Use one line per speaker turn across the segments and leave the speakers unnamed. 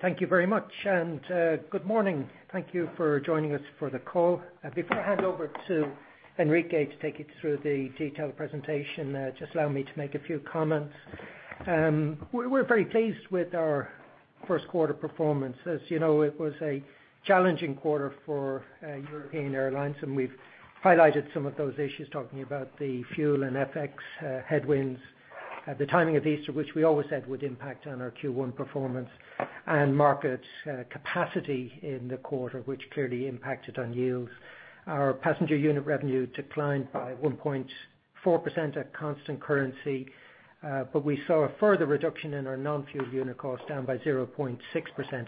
Thank you very much. Good morning. Thank you for joining us for the call. Before I hand over to Enrique to take you through the detailed presentation, just allow me to make a few comments. We're very pleased with our first quarter performance. As you know, it was a challenging quarter for European airlines. We've highlighted some of those issues, talking about the fuel and FX headwinds, the timing of Easter, which we always said would impact on our Q1 performance, and market capacity in the quarter, which clearly impacted on yields. Our passenger unit revenue declined by 1.4% at constant currency. We saw a further reduction in our non-fuel unit cost, down by 0.6%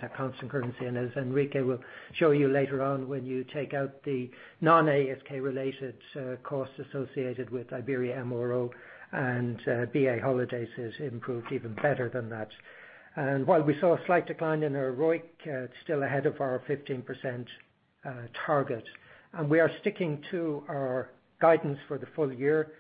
at constant currency. As Enrique will show you later on, when you take out the non-ASK related costs associated with Iberia MRO and BA Holidays, it improved even better than that. While we saw a slight decline in our ROIC, it's still ahead of our 15% target. We are sticking to our guidance for the full year.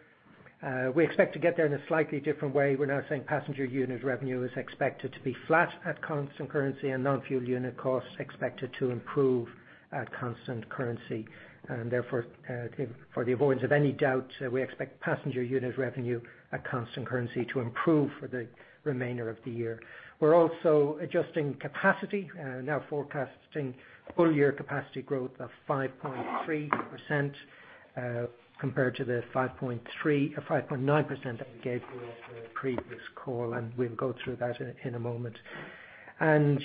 We expect to get there in a slightly different way. We're now saying passenger unit revenue is expected to be flat at constant currency and non-fuel unit costs expected to improve at constant currency. Therefore, for the avoidance of any doubt, we expect passenger unit revenue at constant currency to improve for the remainder of the year. We're also adjusting capacity, now forecasting full-year capacity growth of 5.3% compared to the 5.9% that we gave you at the previous call, and we'll go through that in a moment.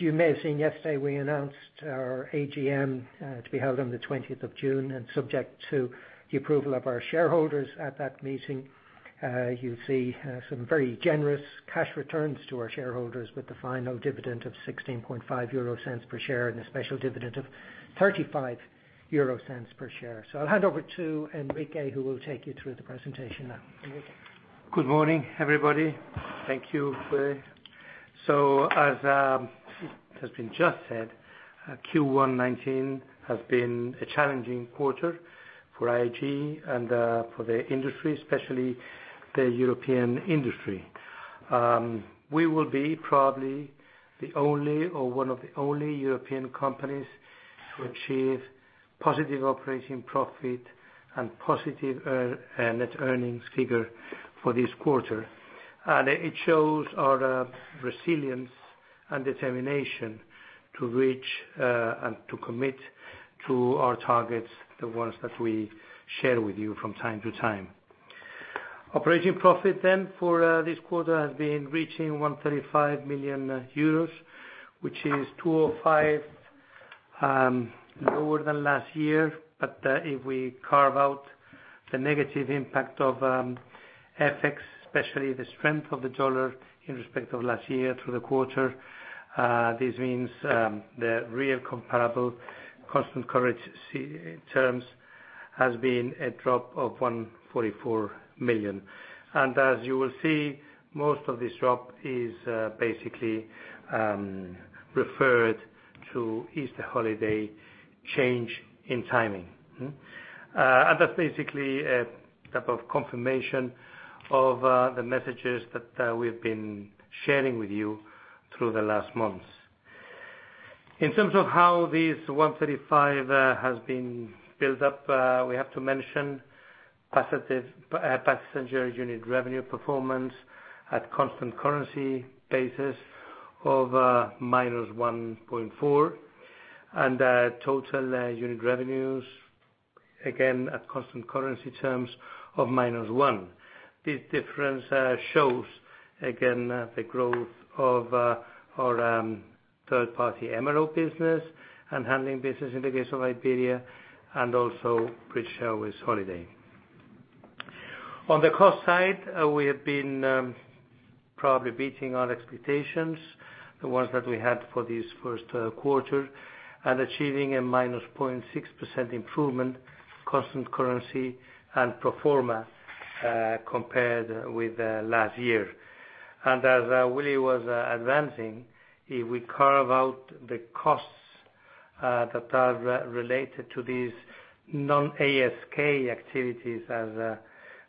You may have seen yesterday, we announced our AGM to be held on the 20th of June. Subject to the approval of our shareholders at that meeting, you'll see some very generous cash returns to our shareholders with the final dividend of 0.165 per share and a special dividend of 0.35 per share. I'll hand over to Enrique, who will take you through the presentation now. Enrique.
Good morning, everybody. Thank you, Willie. As has been just said, Q1 2019 has been a challenging quarter for IAG and for the industry, especially the European industry. We will be probably the only, or one of the only European companies to achieve positive operating profit and positive net earnings figure for this quarter. It shows our resilience and determination to reach and to commit to our targets, the ones that we share with you from time to time. Operating profit for this quarter has been reaching 135 million euros, which is 205 lower than last year. If we carve out the negative impact of FX, especially the strength of the dollar in respect of last year through the quarter, this means the real comparable constant currency terms has been a drop of 144 million. As you will see, most of this drop is basically referred to Easter holiday change in timing. That's basically a type of confirmation of the messages that we've been sharing with you through the last months. In terms of how this 135 has been built up, we have to mention passenger unit revenue performance at constant currency basis of -1.4%, and total unit revenues, again at constant currency terms, of -1%. This difference shows again the growth of our third-party MRO business and handling business in the case of Iberia, and also British Airways Holidays. On the cost side, we have been probably beating our expectations, the ones that we had for this first quarter, and achieving a -0.6% improvement constant currency and pro forma compared with last year. As Willie was advancing, if we carve out the costs that are related to these non-ASK activities as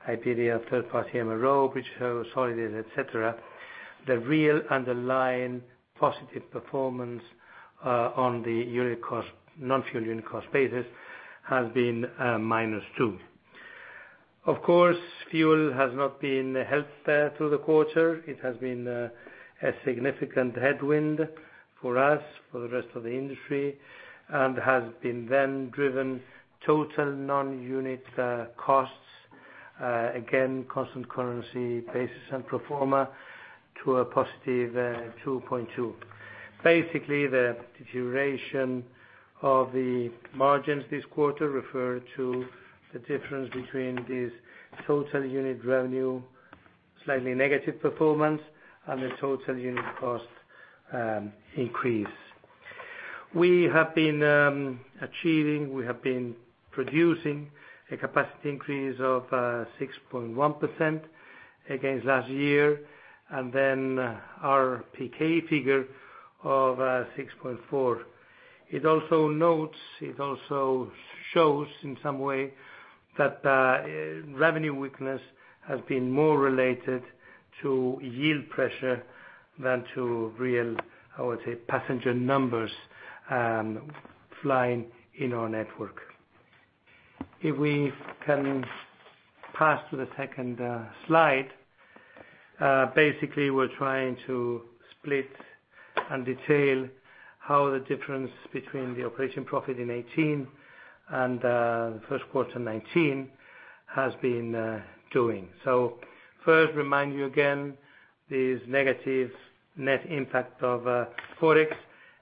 Iberia third-party MRO, British Airways Holidays, et cetera, the real underlying positive performance on the non-fuel unit cost basis has been -2%. Of course, fuel has not been a help there through the quarter. It has been a significant headwind for us, for the rest of the industry, and has been then driven total non-unit costs, again, constant currency basis and pro forma, to a +2.2%. Basically, the duration of the margins this quarter refer to the difference between this total unit revenue, slightly negative performance, and the total unit cost increase. We have been producing a capacity increase of 6.1% against last year, and then our RPK figure of 6.4%. It also shows in some way that revenue weakness has been more related to yield pressure than to real, I would say, passenger numbers flying in our network. If we can pass to the second slide. Basically, we're trying to split and detail how the difference between the operating profit in 2018 and the first quarter 2019 has been doing. First, remind you again, this negative net impact of FX,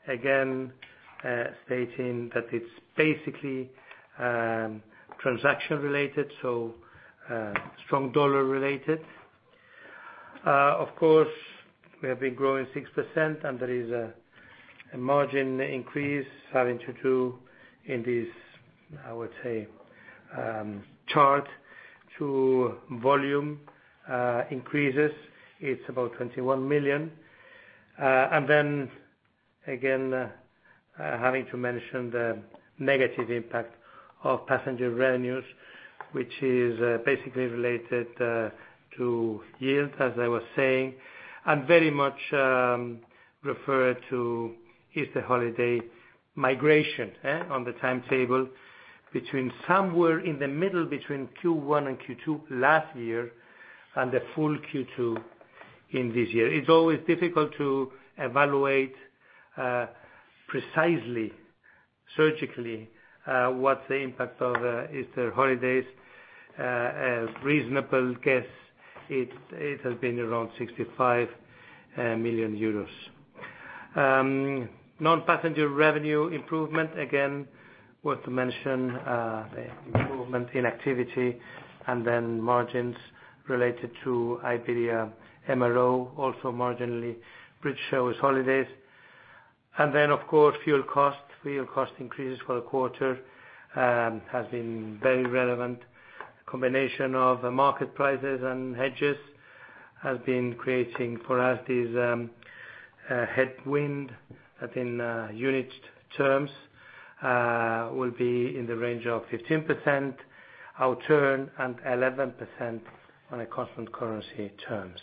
again, stating that it's basically transaction-related, so strong USD related. Of course, we have been growing 6% and there is a margin increase having to do in this, I would say, chart to volume increases. It's about 21 million. Then, again, having to mention the negative impact of passenger revenues, which is basically related to yield, as I was saying, and very much referred to Easter holiday migration on the timetable between somewhere in the middle, between Q1 and Q2 last year and the full Q2 in this year. It's always difficult to evaluate precisely, surgically, what's the impact of the Easter holidays. A reasonable guess, it has been around 65 million euros. Non-passenger revenue improvement, again, worth to mention the improvement in activity, and then margins related to Iberia MRO, also marginally British Airways Holidays. Then, of course, fuel cost. Fuel cost increases for a quarter has been very relevant. Combination of market prices and hedges has been creating for us this headwind that in unit terms will be in the range of 15% outturn and 11% on a constant currency terms.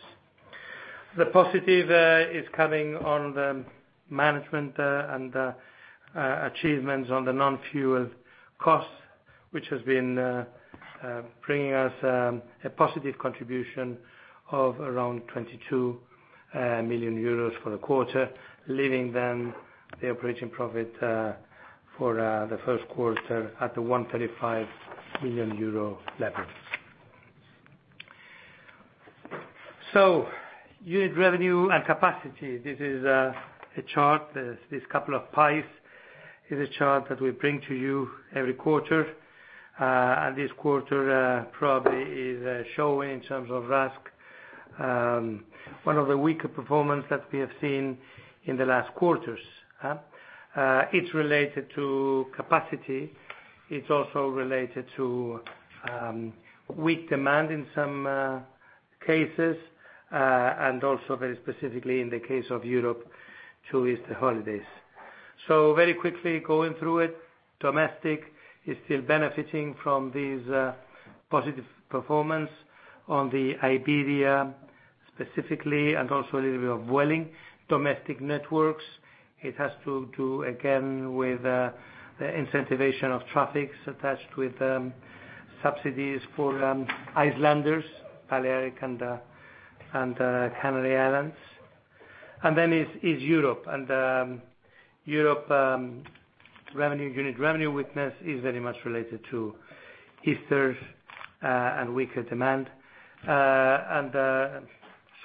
The positive is coming on the management and achievements on the non-fuel costs, which has been bringing us a positive contribution of around 22 million euros for the quarter, leaving the operating profit for the first quarter at the 135 million euro level. Unit revenue and capacity. This is a chart, these couple of pies is a chart that we bring to you every quarter. This quarter probably is showing in terms of RASK, one of the weaker performance that we have seen in the last quarters. It's related to capacity. It's also related to weak demand in some cases, and also very specifically in the case of Europe to Easter holidays. Very quickly going through it. Domestic is still benefiting from this positive performance on the Iberia specifically, and also a little bit of Vueling domestic networks. It has to do again with the incentivization of traffics attached with subsidies for Islanders, Balearic and Canary Islands. Europe unit revenue weakness is very much related to Easters and weaker demand.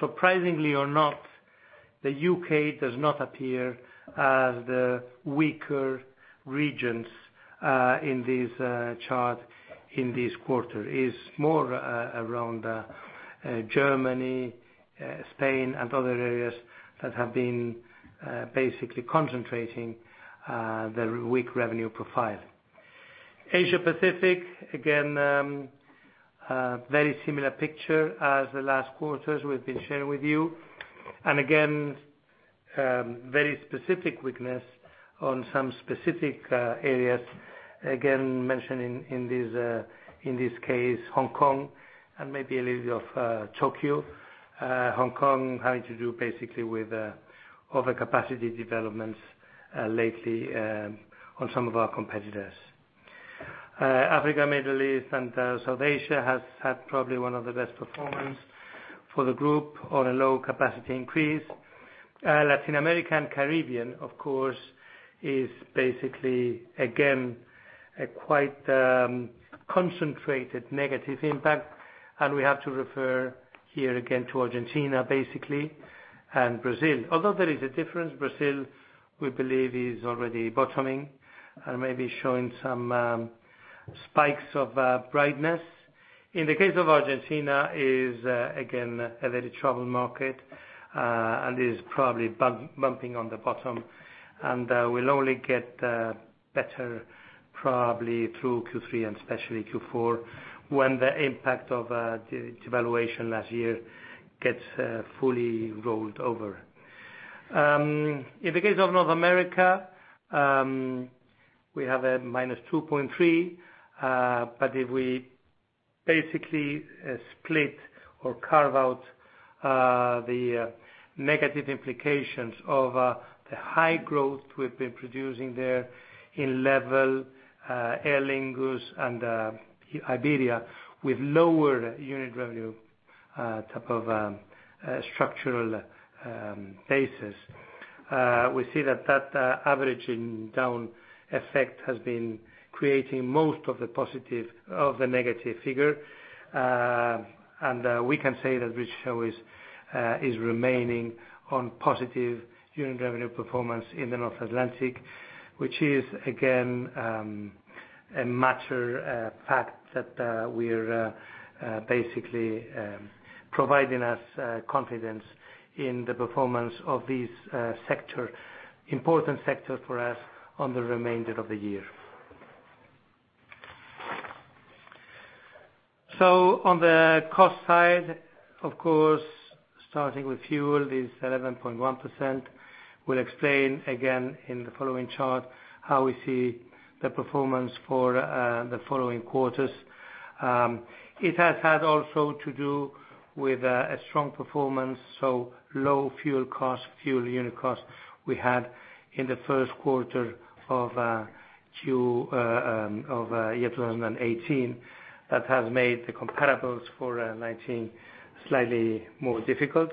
Surprisingly or not, the U.K. does not appear as the weaker regions in this chart, in this quarter. It's more around Germany, Spain, and other areas that have been basically concentrating the weak revenue profile. Asia Pacific, again, very similar picture as the last quarters we've been sharing with you. Again, very specific weakness on some specific areas. Again, mentioning in this case, Hong Kong and maybe a little bit of Tokyo. Hong Kong having to do basically with overcapacity developments lately on some of our competitors. Africa, Middle East, and South Asia has had probably one of the best performance for the group on a low capacity increase. Latin America and Caribbean, of course, is basically, again, a quite concentrated negative impact. We have to refer here again to Argentina, basically, and Brazil. Although there is a difference. Brazil, we believe, is already bottoming and may be showing some spikes of brightness. In the case of Argentina is again, a very troubled market, and is probably bumping on the bottom, and will only get better probably through Q3 and especially Q4, when the impact of devaluation last year gets fully rolled over. In the case of North America. We have a -2.3%, but if we basically split or carve out the negative implications of the high growth we've been producing there in LEVEL, Aer Lingus, and Iberia, with lower unit revenue type of structural basis. We see that that averaging down effect has been creating most of the negative figure. We can say that British Airways is remaining on positive unit revenue performance in the North Atlantic, which is, again, a matter of fact that we're basically providing us confidence in the performance of these important sectors for us on the remainder of the year. On the cost side, of course, starting with fuel is 11.1%. We'll explain again in the following chart how we see the performance for the following quarters. It has had also to do with a strong performance, so low fuel cost, fuel unit cost we had in the first quarter of year 2018. That has made the comparables for 2019 slightly more difficult.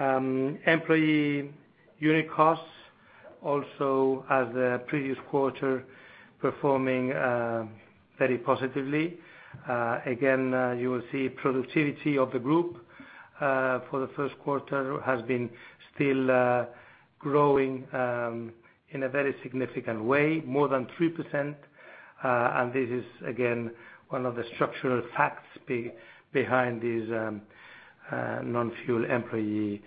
Employee unit costs, also as the previous quarter, performing very positively. Again, you will see productivity of the group, for the first quarter, has been still growing in a very significant way, more than 3%. This is, again, one of the structural facts behind these non-fuel employee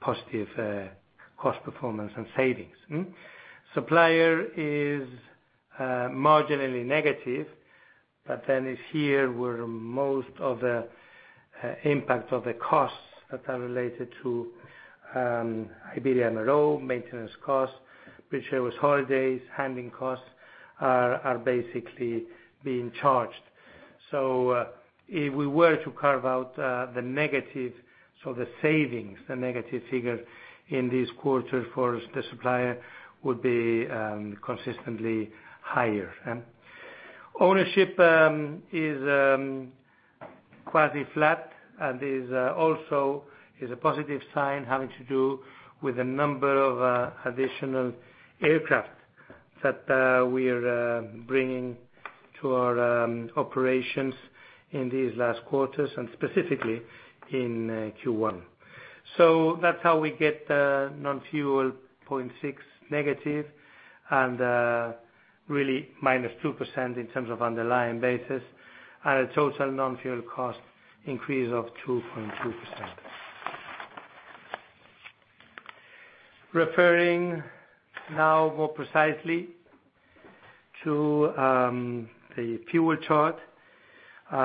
positive cost performance and savings. Supplier is marginally negative. This is where most of the impact of the costs that are related to Iberia MRO, maintenance costs, British Airways Holidays, handling costs are basically being charged. If we were to carve out the negative, the savings, the negative figure in this quarter for the supplier would be consistently higher. Ownership is quasi-flat. It is also a positive sign having to do with the number of additional aircraft that we are bringing to our operations in these last quarters, and specifically in Q1. That's how we get non-fuel 0.6 negative and really -2% in terms of underlying basis and a total non-fuel cost increase of 2.2%. Referring now more precisely to the fuel chart. We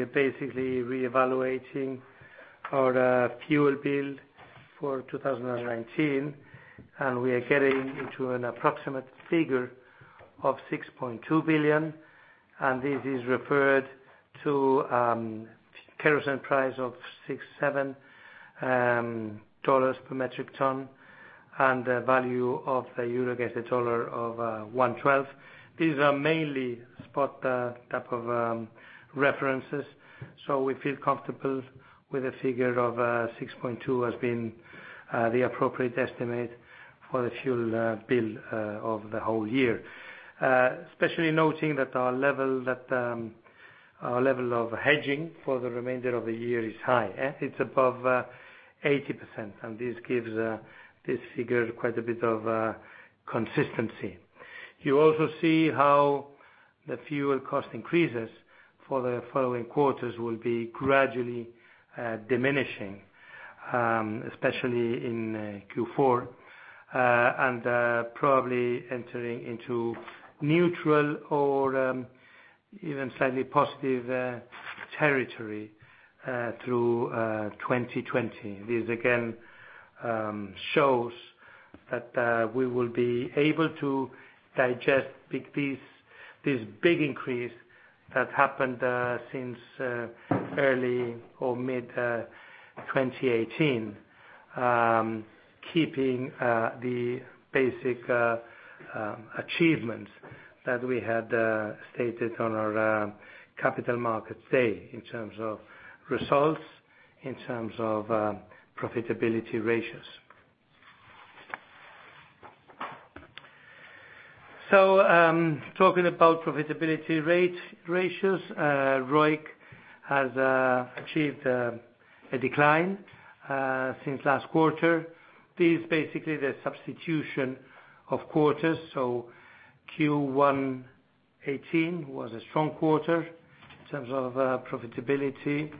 are basically reevaluating our fuel bill for 2019. We are getting into an approximate figure of $6.2 billion. This is referred to kerosene price of $67 per metric ton and the value of the euro against the dollar of 112. These are mainly spot type of references. We feel comfortable with a figure of 6.2 as being the appropriate estimate for the fuel bill of the whole year. Especially noting that our level of hedging for the remainder of the year is high. It's above 80%. This gives this figure quite a bit of consistency. You also see how the fuel cost increases for the following quarters will be gradually diminishing, especially in Q4. Probably entering into neutral or even slightly positive territory, through 2020. This again shows that we will be able to digest this big increase that happened since early or mid-2018, keeping the basic achievements that we had stated on our capital markets day in terms of results, in terms of profitability ratios. Talking about profitability ratios, ROIC has achieved a decline since last quarter. This is basically the substitution of quarters. Q1 2018 was a strong quarter in terms of profitability,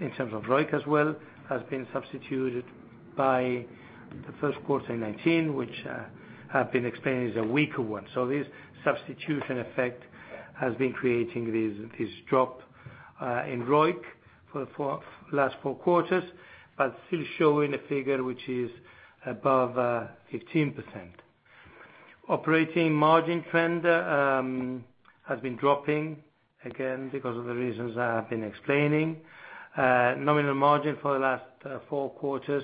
in terms of ROIC as well, has been substituted by the first quarter 2019, which I have been explaining is a weaker one. This substitution effect has been creating this drop in ROIC for the last four quarters, but still showing a figure which is above 15%. Operating margin trend has been dropping, again, because of the reasons I have been explaining. Nominal margin for the last four quarters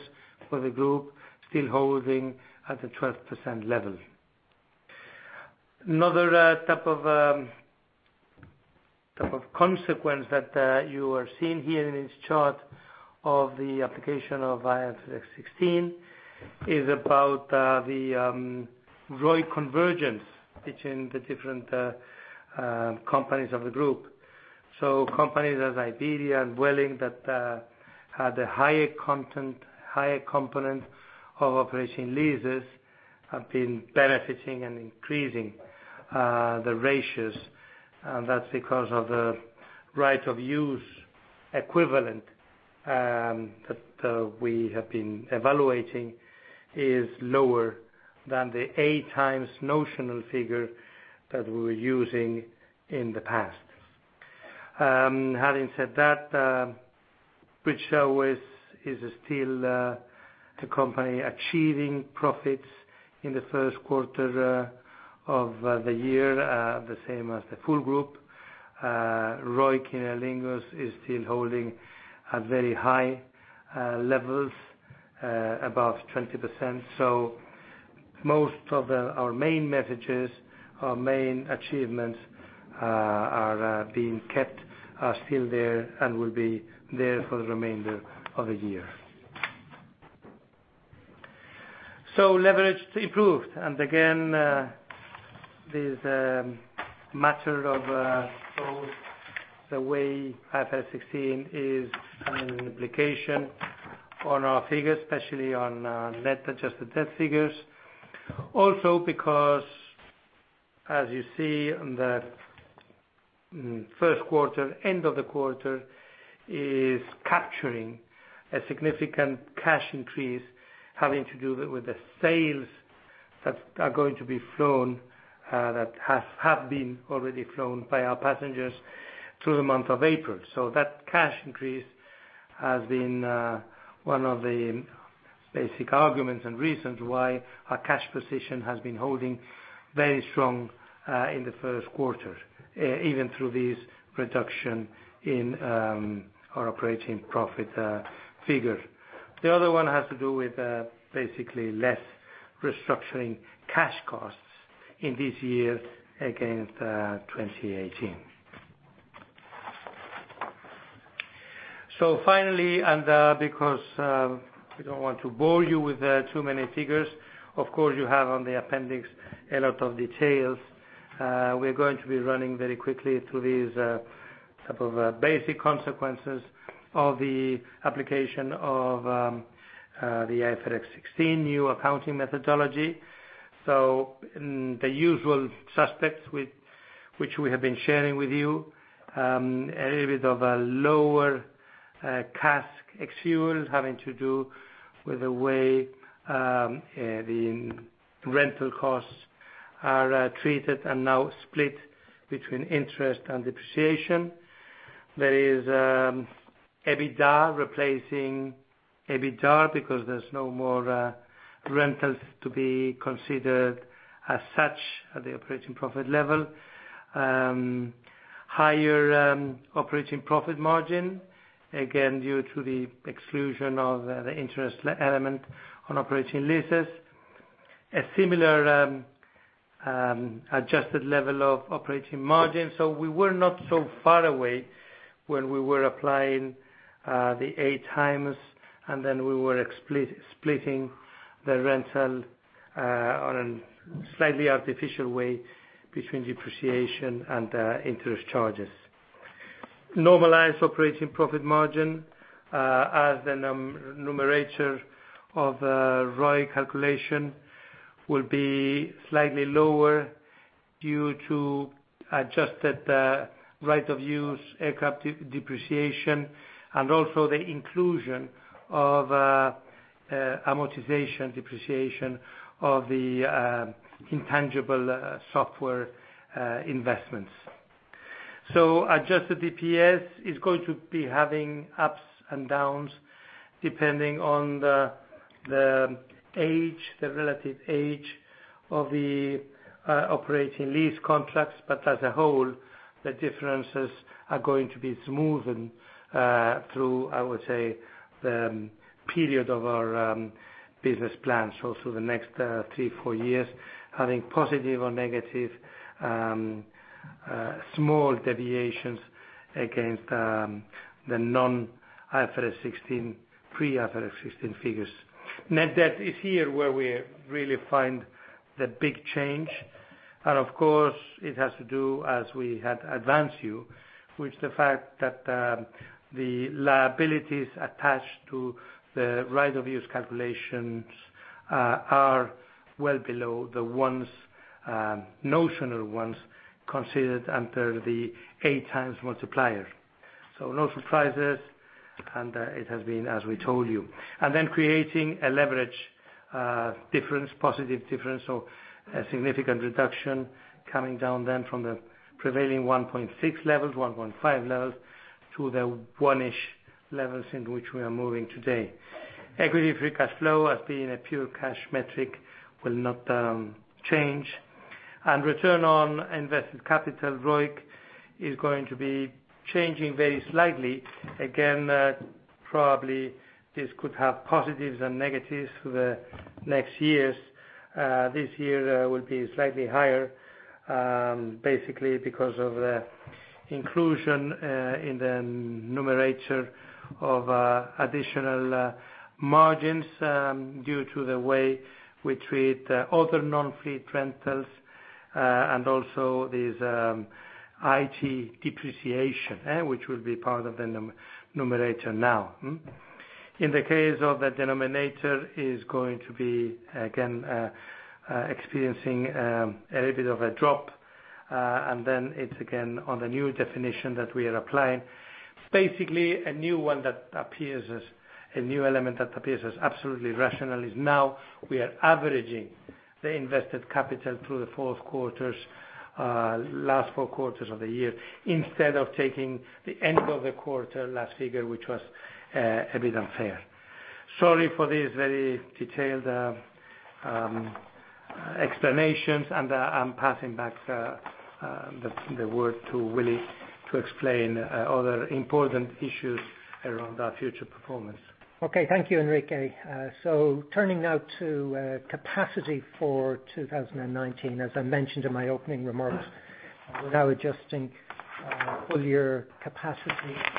for the group, still holding at the 12% level. Another type of consequence that you are seeing here in this chart of the application of IFRS 16 is about the ROIC convergence between the different companies of the group. Companies as Iberia and Vueling that had a higher component of operating leases have been benefiting and increasing the ratios. That's because of the right of use equivalent that we have been evaluating is lower than the eight times notional figure that we were using in the past. Having said that, which is still the company achieving profits in the first quarter of the year, the same as the full group. ROIC in Aer Lingus is still holding at very high levels, above 20%. Most of our main messages, our main achievements, are being kept still there and will be there for the remainder of the year. Leverage improved. This matter of both the way IFRS 16 is having an implication on our figures, especially on net adjusted debt figures. Because, as you see on the first quarter, end of the quarter is capturing a significant cash increase having to do with the sales that are going to be flown, that have been already flown by our passengers through the month of April. That cash increase has been one of the basic arguments and reasons why our cash position has been holding very strong in the first quarter, even through this reduction in our operating profit figure. The other one has to do with basically less restructuring cash costs in this year against 2018. Finally, and because we don't want to bore you with too many figures, of course you have on the appendix a lot of details. We're going to be running very quickly through these type of basic consequences of the application of the IFRS 16 new accounting methodology. The usual suspects which we have been sharing with you. A little bit of a lower CASK ex-fuel, having to do with the way the rental costs are treated and now split between interest and depreciation. There is EBITDA replacing EBITDAR because there's no more rentals to be considered as such at the operating profit level. Higher operating profit margin, again due to the exclusion of the interest element on operating leases. A similar adjusted level of operating margin. We were not so far away when we were applying the eight times, then we were splitting the rental on a slightly artificial way between depreciation and interest charges. Normalized operating profit margin as the numerator of ROIC calculation will be slightly lower due to adjusted right of use aircraft depreciation and also the inclusion of amortization depreciation of the intangible software investments. Adjusted DPS is going to be having ups and downs depending on the relative age of the operating lease contracts. As a whole, the differences are going to be smoothing through, I would say, the period of our business plan. Through the next three, four years, having positive or negative small deviations against the non-IFRS 16, pre-IFRS 16 figures. Net debt is here where we really find the big change. Of course it has to do, as we had advanced you, with the fact that the liabilities attached to the right of use calculations are well below the notional ones considered under the eight times multiplier. No surprises. It has been as we told you. Creating a leverage difference, positive difference. A significant reduction coming down then from the prevailing 1.6 levels, 1.5 levels, to the one-ish levels in which we are moving today. Equity free cash flow as being a pure cash metric will not change. Return on invested capital, ROIC, is going to be changing very slightly. Again, probably this could have positives and negatives for the next years. This year will be slightly higher, basically because of the inclusion in the numerator of additional margins, due to the way we treat other non-fleet rentals, and also this IT depreciation, which will be part of the numerator now. In the case of the denominator is going to be, again, experiencing a little bit of a drop. It's again, on the new definition that we are applying. Basically a new one that appears as a new element that appears as absolutely rational is now we are averaging the invested capital through the last 4 quarters of the year instead of taking the end of the quarter last figure, which was a bit unfair. Sorry for these very detailed explanations. I'm passing back the word to Willie to explain other important issues around our future performance.
Okay. Thank you, Enrique. Turning now to capacity for 2019. As I mentioned in my opening remarks, we're now adjusting full year capacity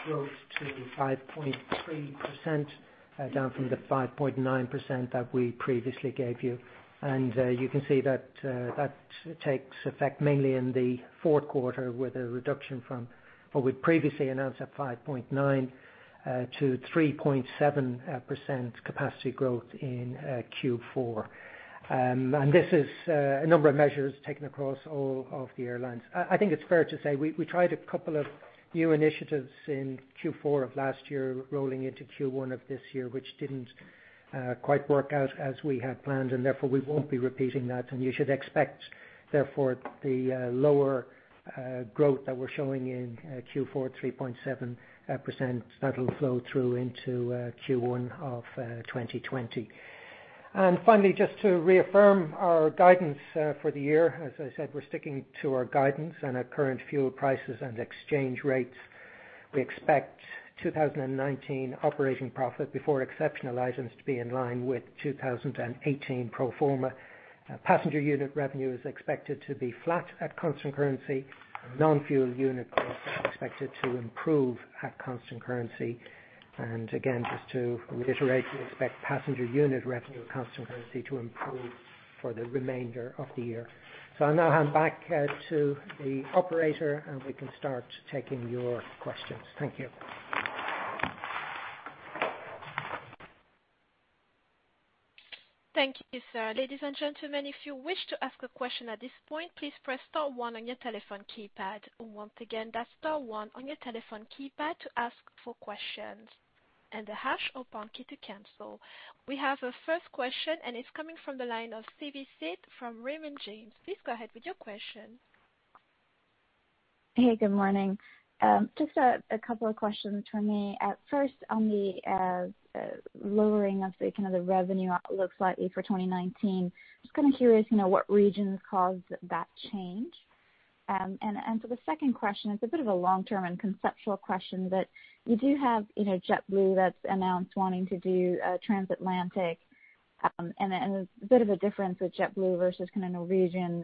growth to 5.3%, down from the 5.9% that we previously gave you. You can see that takes effect mainly in the fourth quarter with a reduction from what we'd previously announced at 5.9% to 3.7% capacity growth in Q4. This is a number of measures taken across all of the airlines. I think it's fair to say we tried 2 new initiatives in Q4 of last year rolling into Q1 of this year, which didn't quite work out as we had planned. Therefore, we won't be repeating that. You should expect, therefore, the lower growth that we're showing in Q4, 3.7%, that'll flow through into Q1 of 2020. Finally, just to reaffirm our guidance for the year, as I said, we're sticking to our guidance and our current fuel prices and exchange rates. We expect 2019 operating profit before exceptional items to be in line with 2018 pro forma. Passenger unit revenue is expected to be flat at constant currency. Non-fuel unit costs are expected to improve at constant currency. Again, just to reiterate, we expect passenger unit revenue at constant currency to improve for the remainder of the year. I'll now hand back to the operator, we can start taking your questions. Thank you.
Thank you, sir. Ladies and gentlemen, if you wish to ask a question at this point, please press star one on your telephone keypad. Once again, that's star one on your telephone keypad to ask for questions, and the hash or pound key to cancel. We have a first question it's coming from the line of Savanthi Syth from Raymond James. Please go ahead with your question.
Good morning. Just a couple of questions from me. First, on the lowering of the revenue outlook slightly for 2019. Just curious, what regions caused that change? For the second question, it's a bit of a long-term and conceptual question, but you do have JetBlue that's announced wanting to do transatlantic, and a bit of a difference with JetBlue versus Norwegian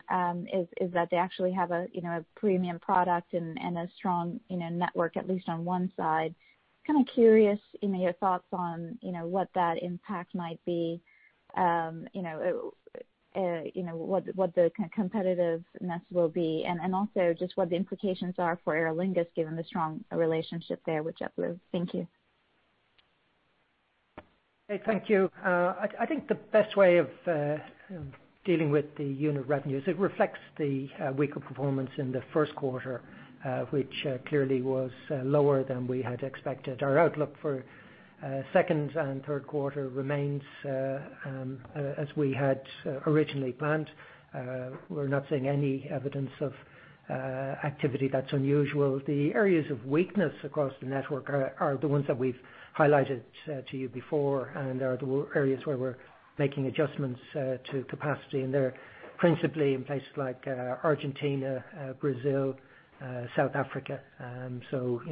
is that they actually have a premium product and a strong network, at least on one side. Curious your thoughts on what that impact might be. What the competitiveness will be and also just what the implications are for Aer Lingus given the strong relationship there with JetBlue. Thank you.
Okay, thank you. I think the best way of dealing with the unit revenues, it reflects the weaker performance in the first quarter, which clearly was lower than we had expected. Our outlook for second and third quarter remains as we had originally planned. We're not seeing any evidence of activity that's unusual. The areas of weakness across the network are the ones that we've highlighted to you before and are the areas where we're making adjustments to capacity, and they're principally in places like Argentina, Brazil, South Africa.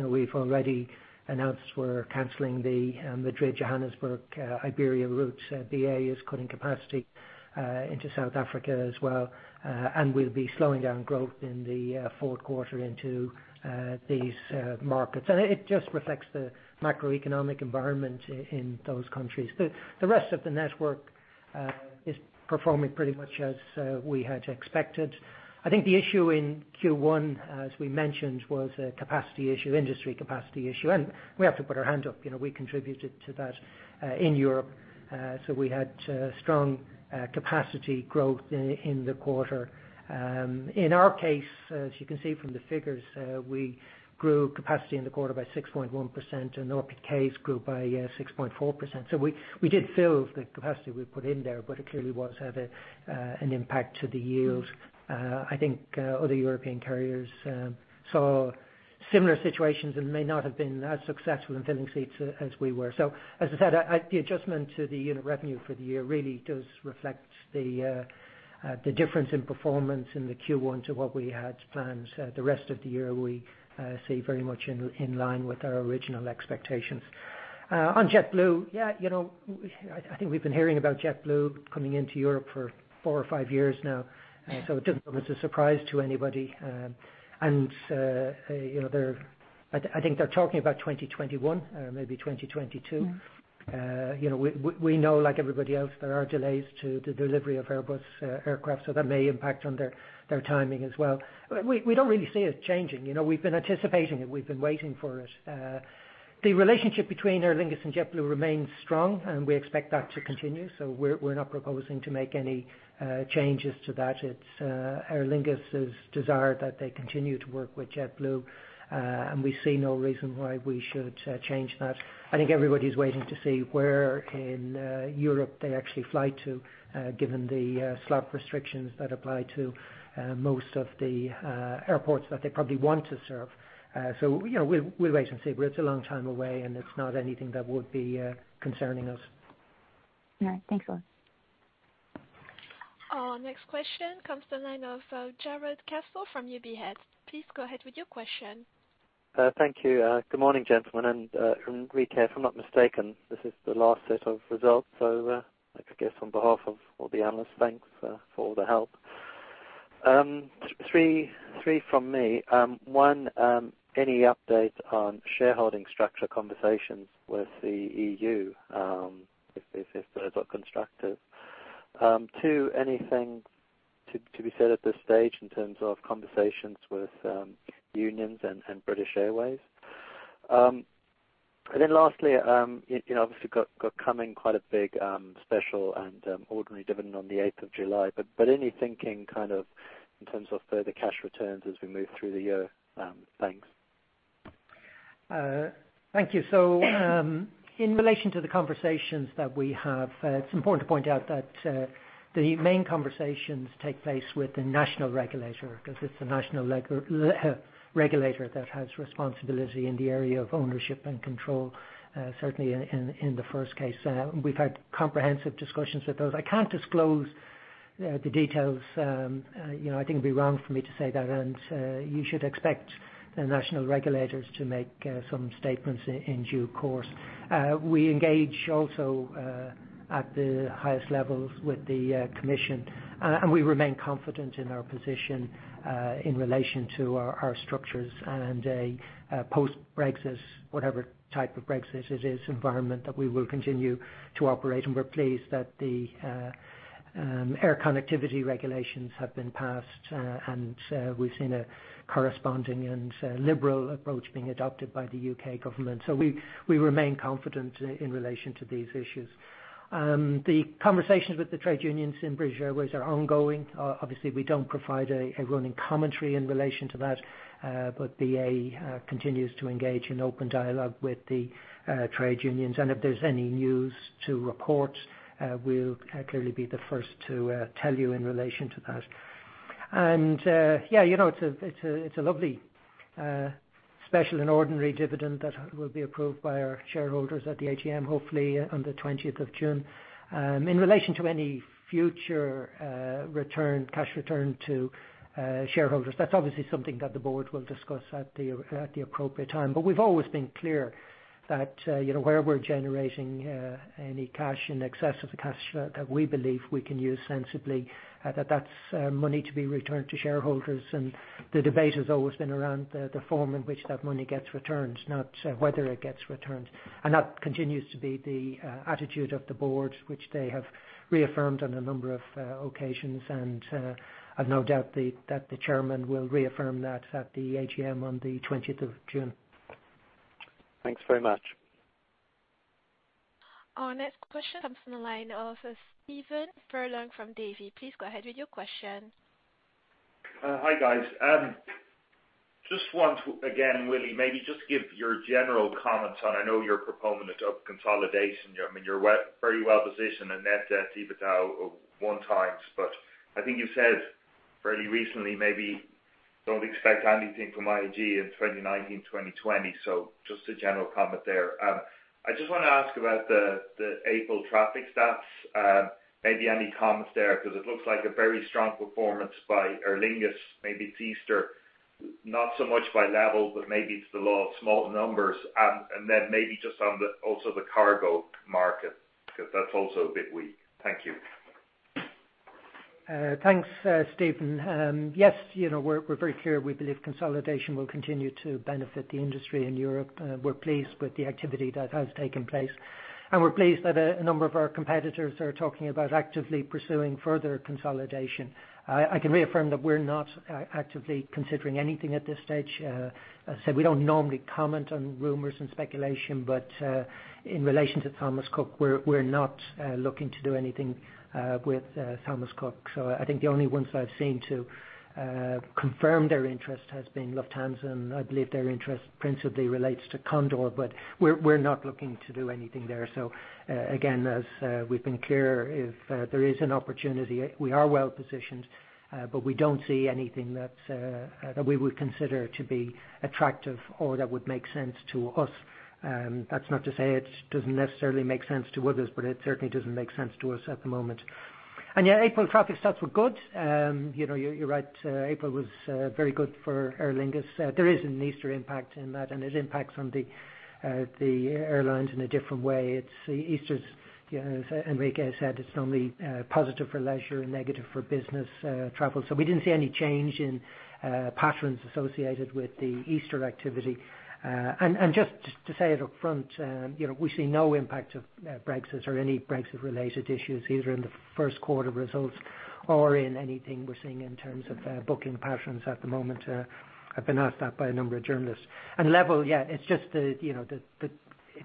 We've already announced we're canceling the Madrid-Johannesburg Iberia route. BA is cutting capacity into South Africa as well. We'll be slowing down growth in the fourth quarter into these markets. It just reflects the macroeconomic environment in those countries. The rest of the network is performing pretty much as we had expected. I think the issue in Q1, as we mentioned, was a capacity issue, industry capacity issue. We have to put our hand up. We contributed to that in Europe. We had strong capacity growth in the quarter. In our case, as you can see from the figures, we grew capacity in the quarter by 6.1%, and RPKs grew by 6.4%. We did fill the capacity we put in there, but it clearly was an impact to the yield. I think other European carriers saw similar situations and may not have been as successful in filling seats as we were. As I said, the adjustment to the unit revenue for the year really does reflect the difference in performance in the Q1 to what we had planned. The rest of the year, we see very much in line with our original expectations. On JetBlue, I think we've been hearing about JetBlue coming into Europe for four or five years now. It doesn't come as a surprise to anybody. I think they're talking about 2021, maybe 2022. We know, like everybody else, there are delays to the delivery of Airbus aircraft, that may impact on their timing as well. We don't really see it changing. We've been anticipating it. We've been waiting for it. The relationship between Aer Lingus and JetBlue remains strong, and we expect that to continue. We're not proposing to make any changes to that. It's Aer Lingus' desire that they continue to work with JetBlue, and we see no reason why we should change that. I think everybody's waiting to see where in Europe they actually fly to, given the slot restrictions that apply to most of the airports that they probably want to serve. We'll wait and see, but it's a long time away, and it's not anything that would be concerning us.
All right. Thanks a lot.
Our next question comes to the line of Jarrod Castle from UBS. Please go ahead with your question.
Thank you. Good morning, gentlemen, if I'm not mistaken, this is the last set of results. I guess on behalf of all the analysts, thanks for all the help. Three from me. One, any update on shareholding structure conversations with the EU, if those are constructive? Two, anything to be said at this stage in terms of conversations with unions and British Airways? Lastly, obviously got coming quite a big special and ordinary dividend on the 8th of July. Any thinking kind of in terms of further cash returns as we move through the year? Thanks.
Thank you. In relation to the conversations that we have, it's important to point out that the main conversations take place with the national regulator, because it's the national regulator that has responsibility in the area of ownership and control, certainly in the first case. We've had comprehensive discussions with those. I can't disclose the details. I think it'd be wrong for me to say that. You should expect the national regulators to make some statements in due course. We engage also at the highest levels with the commission. We remain confident in our position in relation to our structures and a post-Brexit, whatever type of Brexit it is, environment that we will continue to operate. We're pleased that the air connectivity regulations have been passed. We've seen a corresponding and liberal approach being adopted by the U.K. government. We remain confident in relation to these issues. The conversations with the trade unions in British Airways are ongoing. Obviously, we don't provide a running commentary in relation to that. BA continues to engage in open dialogue with the trade unions, and if there's any news to report, we'll clearly be the first to tell you in relation to that. It's a lovely special and ordinary dividend that will be approved by our shareholders at the AGM, hopefully on the 20th of June. In relation to any future cash return to shareholders, that's obviously something that the board will discuss at the appropriate time. We've always been clear that where we're generating any cash in excess of the cash that we believe we can use sensibly, that that's money to be returned to shareholders. The debate has always been around the form in which that money gets returned, not whether it gets returned. That continues to be the attitude of the board, which they have reaffirmed on a number of occasions. I've no doubt that the chairman will reaffirm that at the AGM on the 20th of June.
Thanks very much.
Our next question comes from the line of Stephen Furlong from Davy. Please go ahead with your question.
Hi, guys. Just want to, again, Willie, maybe just give your general comments on, I know you're a proponent of consolidation. You're very well positioned in net debt, EBITDA, 1x. I think you said fairly recently maybe don't expect anything from IAG in 2019, 2020. Just a general comment there. I just want to ask about the April traffic stats. Maybe any comments there, because it looks like a very strong performance by Aer Lingus. Maybe it's Easter, not so much by LEVEL, but maybe it's the law of small numbers. Then maybe just on also the cargo market, because that's also a bit weak. Thank you.
Thanks, Stephen. Yes, we're very clear. We believe consolidation will continue to benefit the industry in Europe. We're pleased with the activity that has taken place. We're pleased that a number of our competitors are talking about actively pursuing further consolidation. I can reaffirm that we're not actively considering anything at this stage. As I said, we don't normally comment on rumors and speculation. In relation to Thomas Cook, we're not looking to do anything with Thomas Cook. I think the only ones I've seen to confirm their interest has been Lufthansa, and I believe their interest principally relates to Condor. We're not looking to do anything there. Again, as we've been clear, if there is an opportunity, we are well positioned. We don't see anything that we would consider to be attractive or that would make sense to us. That's not to say it doesn't necessarily make sense to others, but it certainly doesn't make sense to us at the moment. Yeah, April traffic stats were good. You're right, April was very good for Aer Lingus. There is an Easter impact in that, and it impacts on the airlines in a different way. Easter, as Enrique said, it's normally positive for leisure and negative for business travel. We didn't see any change in patterns associated with the Easter activity. Just to say it upfront, we see no impact of Brexit or any Brexit-related issues, either in the first quarter results or in anything we're seeing in terms of booking patterns at the moment. I've been asked that by a number of journalists. LEVEL, yeah. It's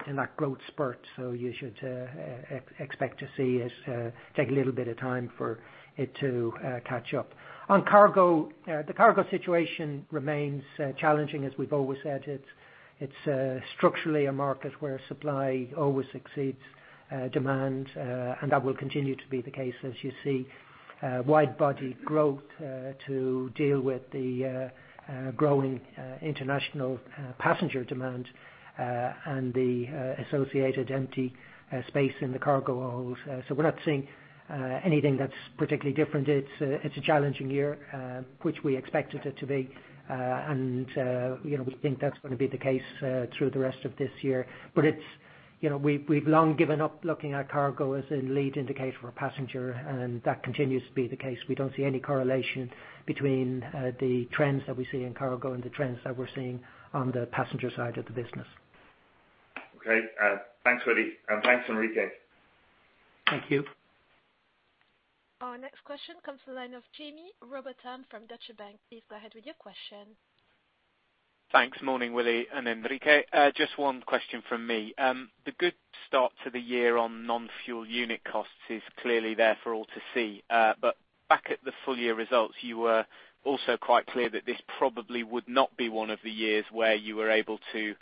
in that growth spurt, so you should expect to see it take a little bit of time for it to catch up. On cargo, the cargo situation remains challenging, as we've always said. It's structurally a market where supply always exceeds demand. That will continue to be the case as you see wide-body growth to deal with the growing international passenger demand, and the associated empty space in the cargo holds. We're not seeing anything that's particularly different. It's a challenging year, which we expected it to be. We think that's going to be the case through the rest of this year. We've long given up looking at cargo as a lead indicator for passenger, and that continues to be the case. We don't see any correlation between the trends that we see in cargo and the trends that we're seeing on the passenger side of the business.
Okay. Thanks, Willie, and thanks, Enrique.
Thank you.
Our next question comes from the line of Jaime Rowbotham from Deutsche Bank. Please go ahead with your question.
Thanks. Morning, Willie and Enrique. Just one question from me. The good start to the year on non-fuel unit costs is clearly there for all to see. Back at the full year results, you were also quite clear that this probably would not be one of the years where you were able to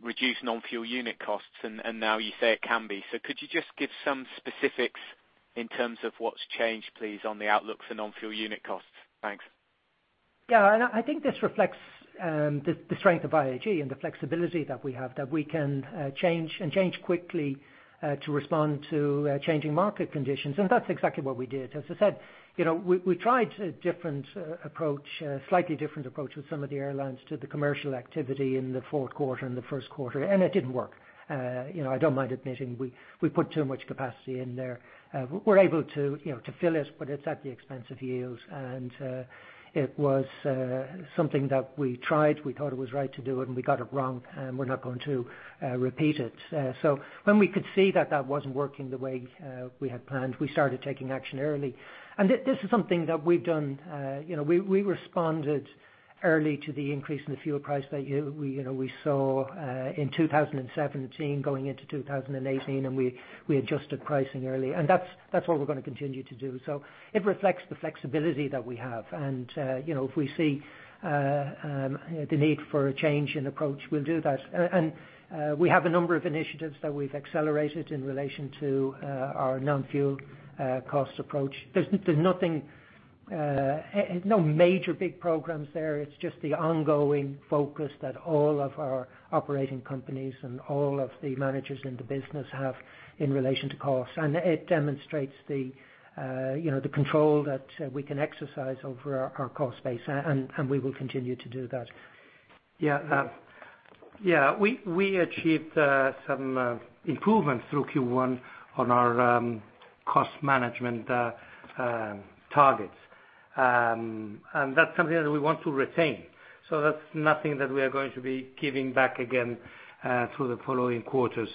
reduce non-fuel unit costs, now you say it can be. Could you just give some specifics in terms of what's changed, please, on the outlook for non-fuel unit costs? Thanks.
Yeah, I think this reflects the strength of IAG and the flexibility that we have. That we can change, and change quickly, to respond to changing market conditions. That's exactly what we did. As I said, we tried a slightly different approach with some of the airlines to the commercial activity in the fourth quarter and the first quarter, it didn't work. I don't mind admitting, we put too much capacity in there. We're able to fill it, but it's at the expense of yields, it was something that we tried. We thought it was right to do it, we got it wrong, we're not going to repeat it. When we could see that that wasn't working the way we had planned, we started taking action early. This is something that we've done. We responded early to the increase in the fuel price that we saw in 2017 going into 2018, we adjusted pricing early. That's what we're going to continue to do. It reflects the flexibility that we have. If we see the need for a change in approach, we'll do that. We have a number of initiatives that we've accelerated in relation to our non-fuel cost approach. There's no major big programs there. It's just the ongoing focus that all of our operating companies and all of the managers in the business have in relation to cost. It demonstrates the control that we can exercise over our cost base, we will continue to do that. Yeah. We achieved some improvements through Q1 on our cost management targets. That's something that we want to retain. That's nothing that we are going to be giving back again through the following quarters.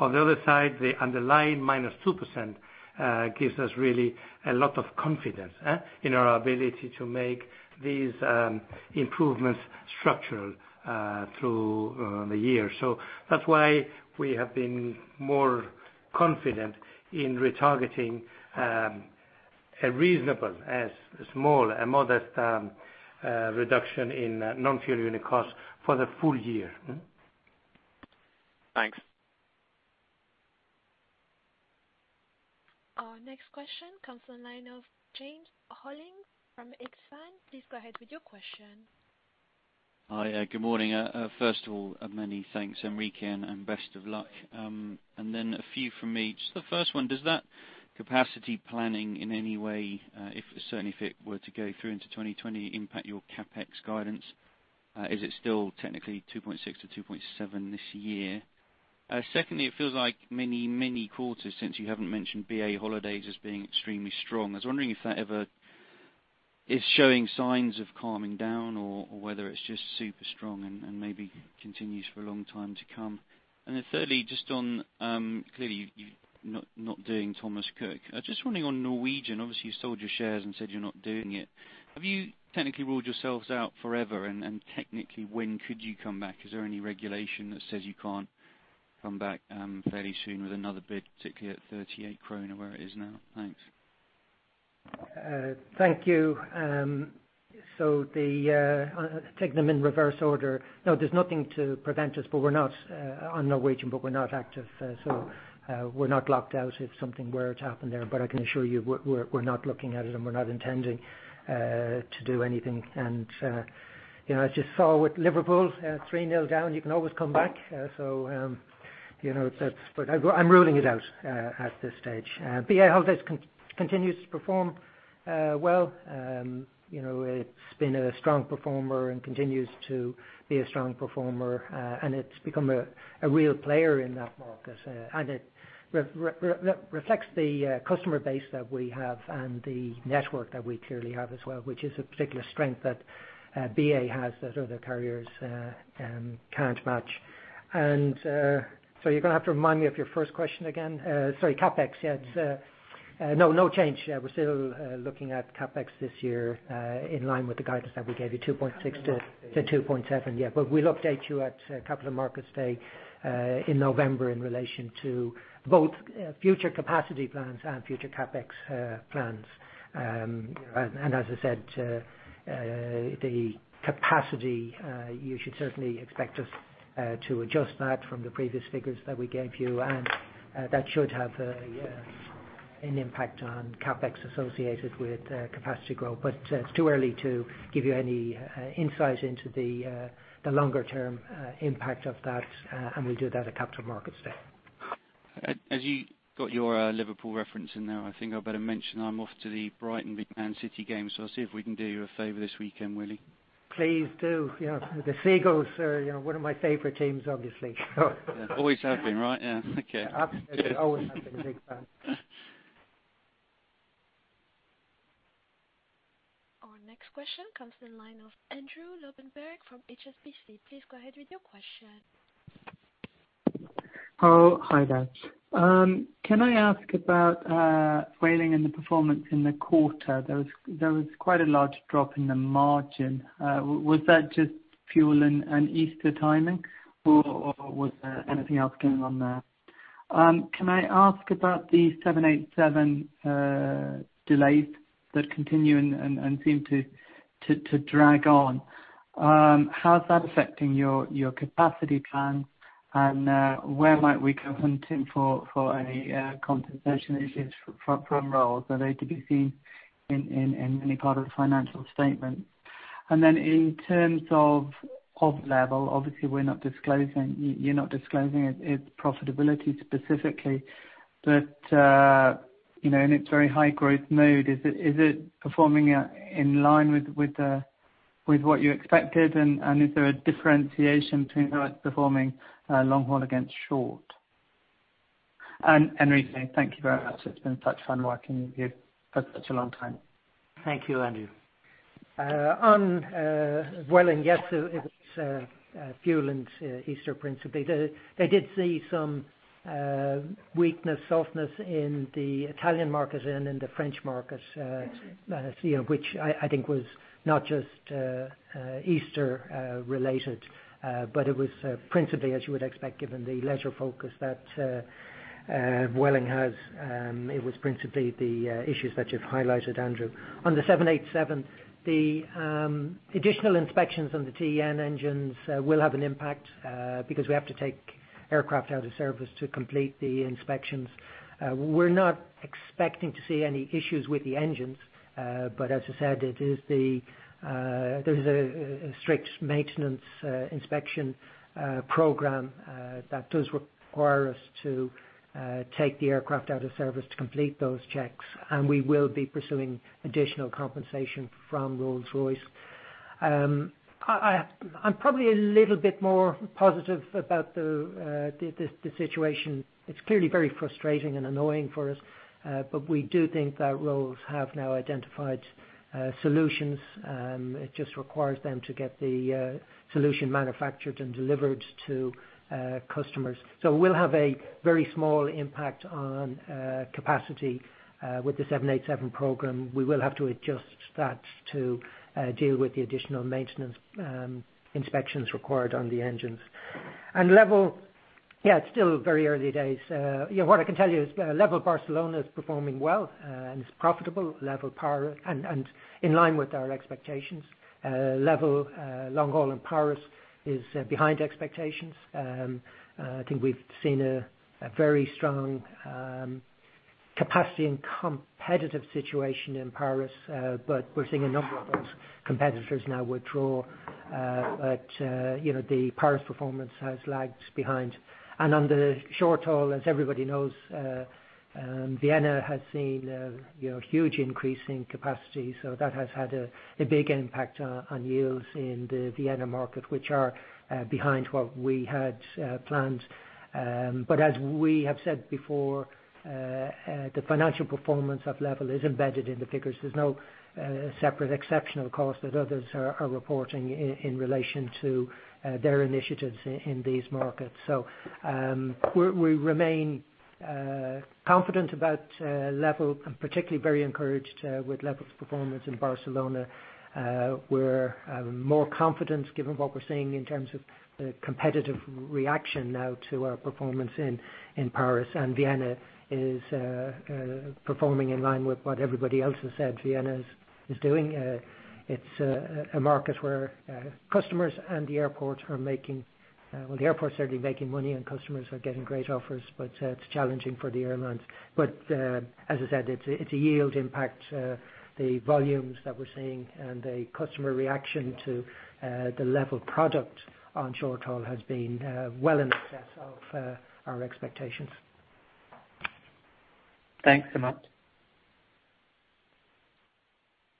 On the other side, the underlying -2% gives us really a lot of confidence in our ability to make these improvements structural through the year. That's why we have been more confident in retargeting a reasonable, a small, a modest reduction in non-fuel unit costs for the full year.
Thanks.
Our next question comes on line of James Hollins from Exane. Please go ahead with your question.
Hi. Good morning. First of all, many thanks, Enrique, and best of luck. Then a few from me. The first one, does that capacity planning in any way, certainly if it were to go through into 2020, impact your CapEx guidance? Is it still technically 2.6 billion to 2.7 billion this year? Secondly, it feels like many quarters since you haven't mentioned BA Holidays as being extremely strong. I was wondering if that ever is showing signs of calming down, or whether it's just super strong and maybe continues for a long time to come. Then thirdly, clearly you're not doing Thomas Cook. Just wondering on Norwegian, obviously you sold your shares and said you're not doing it. Have you technically ruled yourselves out forever, and technically when could you come back? Is there any regulation that says you can't come back fairly soon with another bid, particularly at 38 kroner where it is now? Thanks.
Thank you. I'll take them in reverse order. No, there's nothing to prevent us on Norwegian, but we're not active, so we're not locked out if something were to happen there. I can assure you we're not looking at it and we're not intending to do anything. As you saw with Liverpool, three-nil down, you can always come back. I'm ruling it out at this stage. BA Holidays continues to perform well. It's been a strong performer and continues to be a strong performer, and it's become a real player in that market. It reflects the customer base that we have and the network that we clearly have as well, which is a particular strength that BA has that other carriers can't match. You're going to have to remind me of your first question again. Sorry, CapEx, yes. No, no change. We're still looking at CapEx this year in line with the guidance that we gave you, 2.6 to-
Capital markets
2.7. Yeah. We'll update you at capital markets day in November in relation to both future capacity plans and future CapEx plans. As I said, the capacity, you should certainly expect us to adjust that from the previous figures that we gave you. That should have an impact on CapEx associated with capacity growth. It's too early to give you any insight into the longer-term impact of that, and we'll do that at capital markets day.
As you got your Liverpool reference in there, I think I better mention I'm off to the Brighton v Man City game, I'll see if we can do you a favor this weekend, Willie.
Please do. The Seagulls are one of my favorite teams, obviously.
Always have been, right? Yeah. Okay.
Absolutely. Always have been a big fan.
Our next question comes in the line of Andrew Lobbenberg from HSBC. Please go ahead with your question.
Hi there. Can I ask about Vueling and the performance in the quarter? There was quite a large drop in the margin. Was that just fuel and Easter timing, or was there anything else going on there? Can I ask about the 787 delays that continue and seem to drag on. How's that affecting your capacity plans, and where might we go hunting for any compensation issues from Rolls? Are they to be seen in any part of the financial statement? In terms of Level, obviously, you're not disclosing its profitability specifically, but in its very high-growth mode, is it performing in line with what you expected, and is there a differentiation between how it's performing long-haul against short? Thank you very much. It's been such fun working with you for such a long time.
Thank you, Andrew. On Vueling, yes, it was fuel and Easter, principally. They did see some weakness, softness in the Italian market and in the French market, which I think was not just Easter related. It was principally, as you would expect, given the leisure focus that Vueling has. It was principally the issues that you've highlighted, Andrew. On the 787, the additional inspections on the Trent engines will have an impact because we have to take aircraft out of service to complete the inspections. We're not expecting to see any issues with the engines. As I said, there is a strict maintenance inspection program that does require us to take the aircraft out of service to complete those checks, and we will be pursuing additional compensation from Rolls-Royce. I'm probably a little bit more positive about the situation. It's clearly very frustrating and annoying for us. We do think that Rolls have now identified solutions. It just requires them to get the solution manufactured and delivered to customers. We'll have a very small impact on capacity with the 787 program. We will have to adjust that to deal with the additional maintenance inspections required on the engines. Level, it's still very early days. What I can tell you is Level Barcelona is performing well and is profitable, Level Paris, and in line with our expectations. Level long-haul in Paris is behind expectations. I think we've seen a very strong capacity and competitive situation in Paris, but we're seeing a number of those competitors now withdraw. The Paris performance has lagged behind. On the short haul, as everybody knows, Vienna has seen a huge increase in capacity. That has had a big impact on yields in the Vienna market, which are behind what we had planned. As we have said before, the financial performance of LEVEL is embedded in the figures. There's no separate exceptional cost that others are reporting in relation to their initiatives in these markets. We remain confident about LEVEL and particularly very encouraged with LEVEL Barcelona performance in Barcelona. We're more confident given what we're seeing in terms of the competitive reaction now to our performance in Paris. Vienna is performing in line with what everybody else has said Vienna is doing. It's a market where customers and the airports are making Well, the airports are certainly making money and customers are getting great offers, but it's challenging for the airlines. As I said, it's a yield impact. The volumes that we're seeing and the customer reaction to the level of product on short haul has been well in excess of our expectations.
Thanks so much.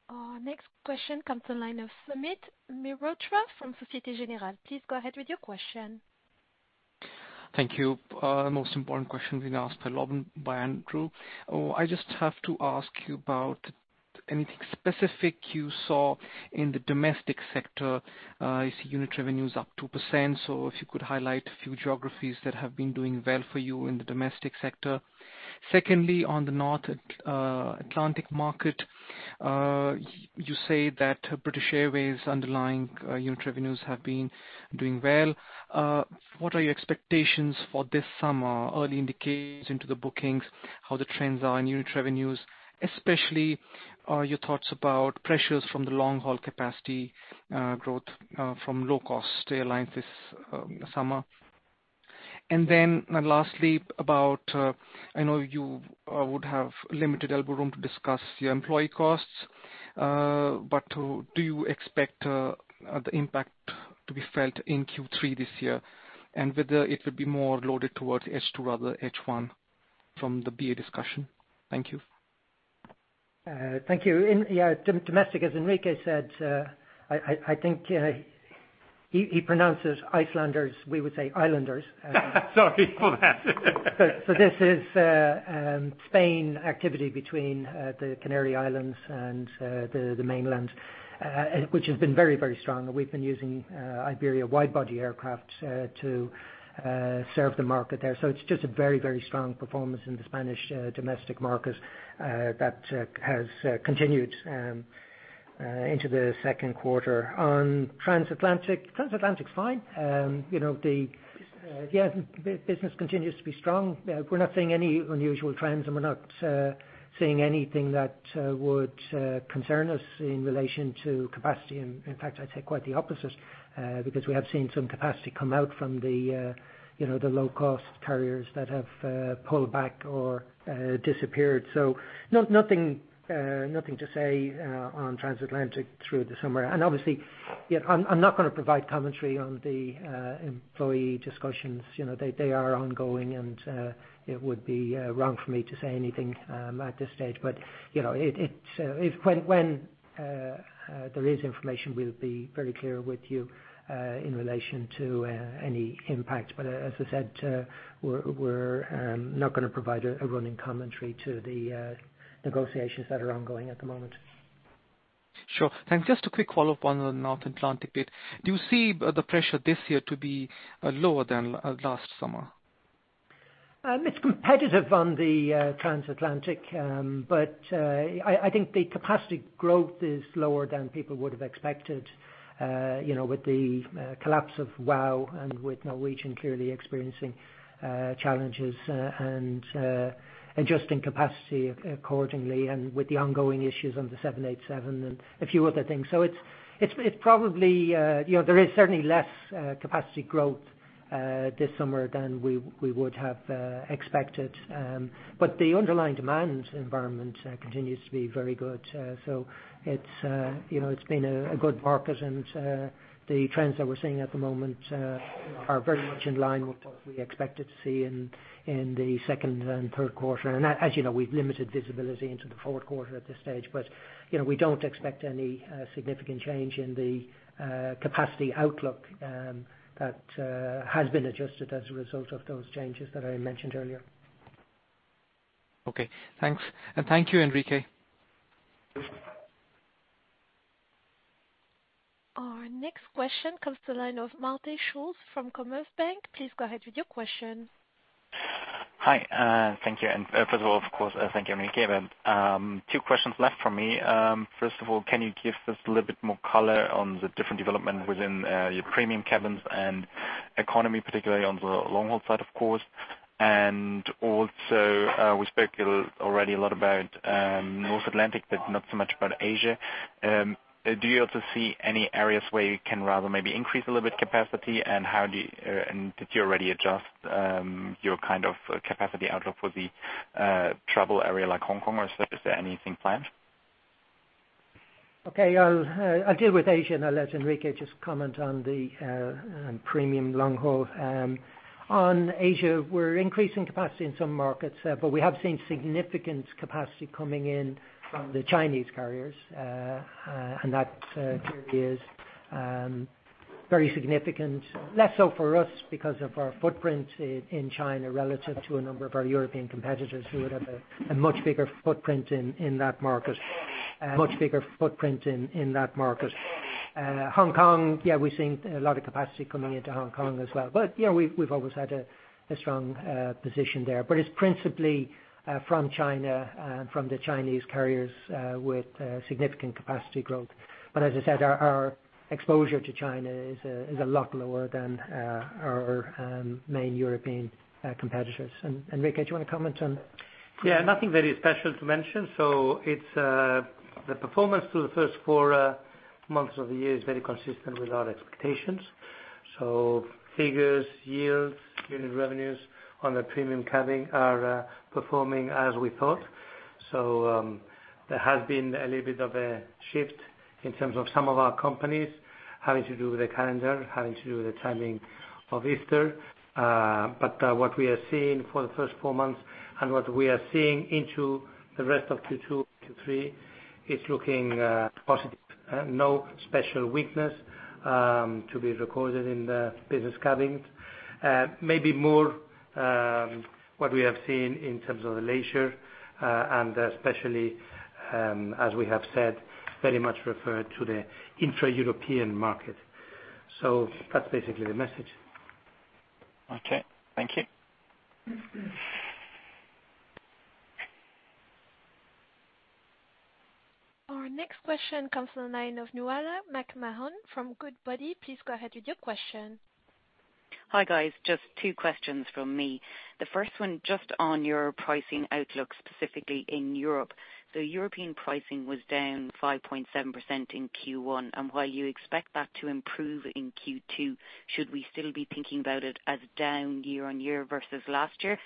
Our next question comes the line of Sumit Mehrotra from Société Générale. Please go ahead with your question.
Thank you. Most important question's been asked by Andrew. I just have to ask you about anything specific you saw in the domestic sector. I see unit revenue is up 2%. If you could highlight a few geographies that have been doing well for you in the domestic sector. Secondly, on the North Atlantic market, you say that British Airways underlying unit revenues have been doing well. What are your expectations for this summer? Early indications into the bookings, how the trends are in unit revenues, especially your thoughts about pressures from the long-haul capacity growth from low-cost airlines this summer. Lastly, about, I know you would have limited elbow room to discuss your employee costs, but do you expect the impact to be felt in Q3 this year? Whether it will be more loaded towards H2 rather H1 from the BA discussion? Thank you.
Thank you. Yeah, domestic, as Enrique said, I think he pronounces Islanders, we would say Islanders.
Sorry for that.
This is Spain activity between the Canary Islands and the mainland, which has been very strong. We've been using Iberia wide-body aircraft to serve the market there. It's just a very strong performance in the Spanish domestic market that has continued into the second quarter. On Transatlantic's fine. The business continues to be strong. We're not seeing any unusual trends, and we're not seeing anything that would concern us in relation to capacity. In fact, I'd say quite the opposite, because we have seen some capacity come out from the low-cost carriers that have pulled back or disappeared. Nothing to say on Transatlantic through the summer. Obviously, I'm not going to provide commentary on the employee discussions. They are ongoing, and it would be wrong for me to say anything at this stage. When there is information, we'll be very clear with you in relation to any impact. As I said, we're not going to provide a running commentary to the negotiations that are ongoing at the moment.
Sure. Just a quick follow-up on the North Atlantic bit. Do you see the pressure this year to be lower than last summer?
It's competitive on the Transatlantic. I think the capacity growth is lower than people would have expected. With the collapse of WOW and with Norwegian clearly experiencing challenges, and adjusting capacity accordingly, and with the ongoing issues on the 787 and a few other things. There is certainly less capacity growth this summer than we would have expected. The underlying demand environment continues to be very good. It's been a good market, and the trends that we're seeing at the moment are very much in line with what we expected to see in the second and third quarter. As you know, we've limited visibility into the fourth quarter at this stage. We don't expect any significant change in the capacity outlook that has been adjusted as a result of those changes that I mentioned earlier.
Okay. Thanks. Thank you, Enrique.
Our next question comes the line of Martin Schulz from Commerzbank. Please go ahead with your question.
Hi. Thank you. First of all, of course, thank you, Enrique. Two questions left from me. First of all, can you give us a little bit more color on the different development within your premium cabins and economy, particularly on the long-haul side, of course? Also, we spoke already a lot about North Atlantic, but not so much about Asia. Do you also see any areas where you can rather maybe increase a little bit capacity, and did you already adjust your capacity outlook for the trouble area like Hong Kong, or is there anything planned?
Okay. I'll deal with Asia, and I'll let Enrique just comment on the premium long haul. On Asia, we're increasing capacity in some markets. We have seen significant capacity coming in from the Chinese carriers. That clearly is very significant. Less so for us because of our footprint in China relative to a number of our European competitors who would have a much bigger footprint in that market. Hong Kong, yeah, we're seeing a lot of capacity coming into Hong Kong as well. We've always had a strong position there, but it's principally from China and from the Chinese carriers with significant capacity growth. As I said, our exposure to China is a lot lower than our main European competitors. Enrique, do you want to comment on?
Yeah, nothing very special to mention. The performance through the first four months of the year is very consistent with our expectations. Figures, yields, unit revenues on the premium cabin are performing as we thought. There has been a little bit of a shift in terms of some of our companies having to do the calendar, having to do the timing of Easter. What we are seeing for the first four months and what we are seeing into the rest of Q2, Q3, is looking positive. No special weakness to be recorded in the business cabins. Maybe more what we have seen in terms of the leisure, and especially, as we have said, very much referred to the intra-European market. That's basically the message.
Okay. Thank you.
Our next question comes on the line of Nuala McMahon from Goodbody. Please go ahead with your question.
Hi, guys. Just two questions from me. The first one, just on your pricing outlook, specifically in Europe. European pricing was down 5.7% in Q1. While you expect that to improve in Q2, should we still be thinking about it as down year-on-year versus last year?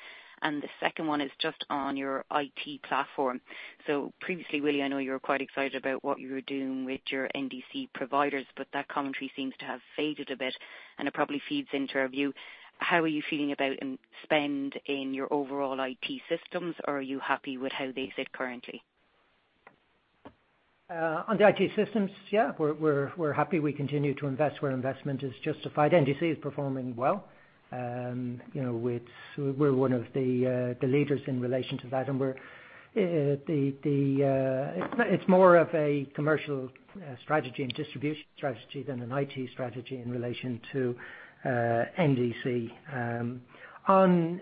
The second one is just on your IT platform. Previously, Willie, I know you were quite excited about what you were doing with your NDC providers, but that commentary seems to have faded a bit, and it probably feeds into our view. How are you feeling about spend in your overall IT systems, or are you happy with how they sit currently?
On the IT systems, we're happy. We continue to invest where investment is justified. NDC is performing well. We're one of the leaders in relation to that, and it's more of a commercial strategy and distribution strategy than an IT strategy in relation to NDC. On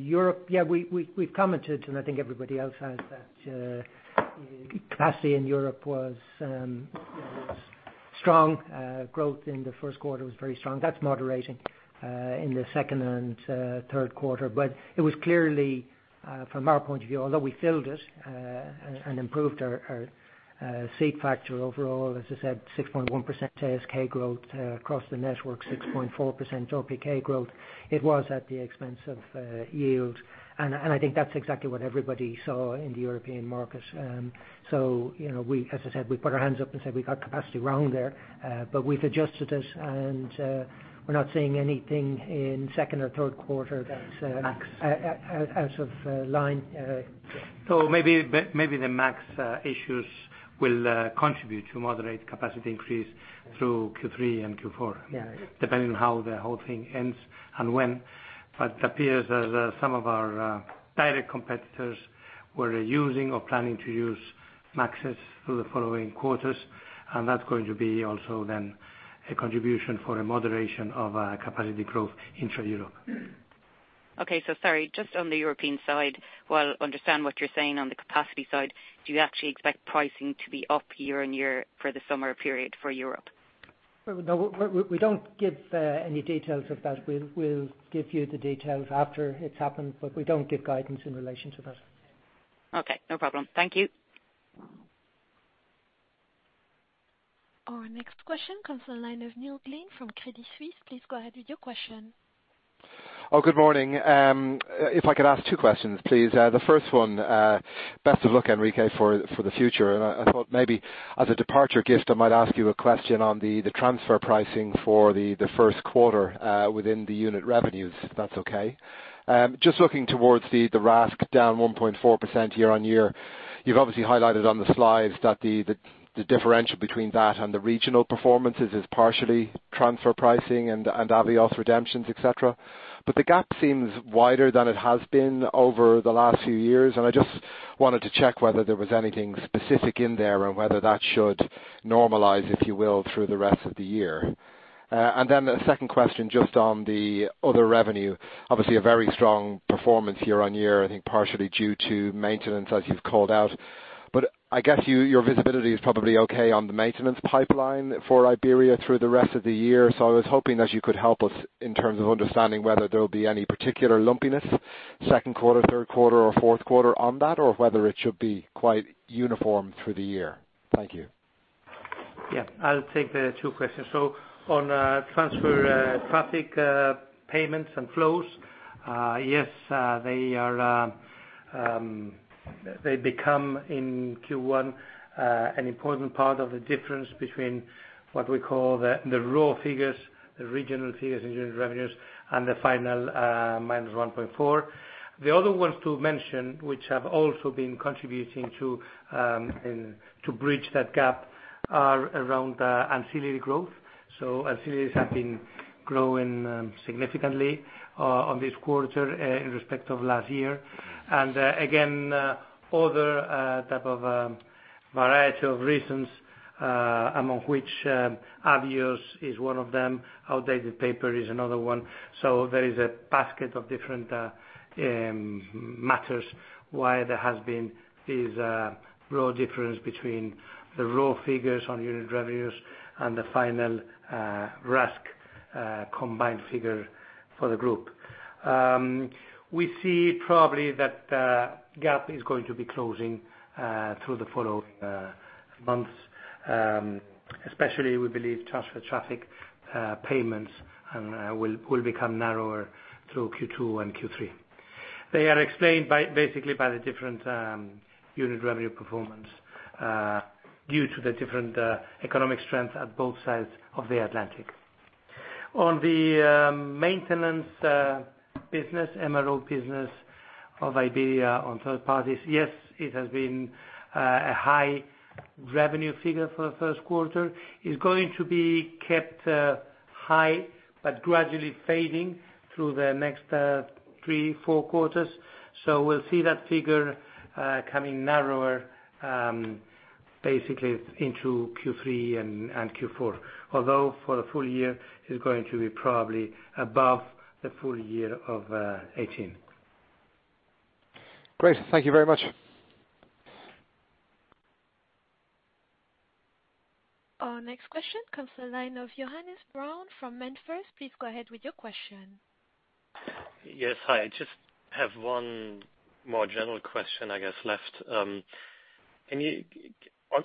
Europe, we've commented, I think everybody else has, that capacity in Europe was strong. Growth in the first quarter was very strong. That's moderating in the second and third quarter. It was clearly, from our point of view, although we filled it, and improved our seat factor overall, as I said, 6.1% ASK growth across the network, 6.4% RPK growth. It was at the expense of yield. I think that's exactly what everybody saw in the European market. As I said, we put our hands up and said we got capacity wrong there, but we’ve adjusted it and we’re not seeing anything in second or third quarter.
Max
Out of line.
Maybe the MAX issues will contribute to moderate capacity increase through Q3 and Q4.
Yeah.
Depending on how the whole thing ends and when. It appears that some of our direct competitors were using or planning to use MAXes through the following quarters, and that’s going to be also then a contribution for a moderation of capacity growth intra-Europe.
Okay. Sorry, just on the European side, while I understand what you're saying on the capacity side, do you actually expect pricing to be up year-on-year for the summer period for Europe?
No, we don't give any details of that. We'll give you the details after it's happened, but we don't give guidance in relation to that.
Okay, no problem. Thank you.
Our next question comes on the line of Neil Glynn from Crédit Suisse. Please go ahead with your question.
Good morning. If I could ask two questions, please. The first one, best of luck, Enrique, for the future. I thought maybe as a departure gift, I might ask you a question on the transfer pricing for the first quarter within the unit revenues, if that's okay. Just looking towards the RASK, down 1.4% year-over-year. You've obviously highlighted on the slides that the differential between that and the regional performances is partially transfer pricing and Avios redemptions, et cetera. The gap seems wider than it has been over the last few years, and I just wanted to check whether there was anything specific in there and whether that should normalize, if you will, through the rest of the year. A second question just on the other revenue. Obviously a very strong performance year-over-year, I think partially due to maintenance as you've called out. I guess your visibility is probably okay on the maintenance pipeline for Iberia through the rest of the year. I was hoping that you could help us in terms of understanding whether there'll be any particular lumpiness second quarter, third quarter, or fourth quarter on that, or whether it should be quite uniform through the year. Thank you.
I'll take the two questions. On transfer traffic payments and flows, yes. They become, in Q1, an important part of the difference between what we call the raw figures, the regional figures in unit revenues, and the final -1.4%. The other ones to mention, which have also been contributing to bridge that gap are around ancillary growth. So, as it has been growing significantly on this quarter in respect of last year. Other type of variety of reasons, among which Avios is one of them, outdated paper is another one. There is a basket of different matters why there has been this raw difference between the raw figures on unit revenues and the final RASK combined figure for the group. We see probably that gap is going to be closing through the following months, especially we believe transfer traffic payments will become narrower through Q2 and Q3. They are explained basically by the different unit revenue performance due to the different economic strength at both sides of the Atlantic. On the maintenance business, MRO business of Iberia on third parties, yes, it has been a high revenue figure for the first quarter. It's going to be kept high, but gradually fading through the next three, four quarters. We'll see that figure coming narrower, basically into Q3 and Q4. Although for the full year, it's going to be probably above the full year of 2018.
Great. Thank you very much.
Our next question comes the line of Johannes Braun from MainFirst. Please go ahead with your question.
Yes. Hi. Just have one more general question, I guess, left.